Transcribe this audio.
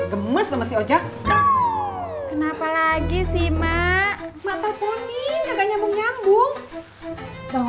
gemes sama si oja kenapa lagi sih mak mak teleponin nggak nyambung nyambung bang